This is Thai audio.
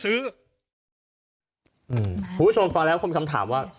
คุณผู้ชมฟังแล้วคนมีคำถามว่า